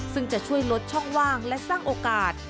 ซึ่งจะช่วยลดช่องว่างและสร้างโอกาส